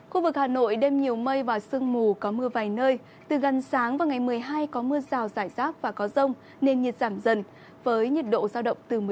khu vực hà nội đêm nhiều mây và sương mù có mưa vài nơi từ gần sáng vào ngày một mươi hai có mưa rào rải rác và có rông nên nhiệt giảm dần với nhiệt độ giao động từ một mươi sáu đến hai mươi ba độ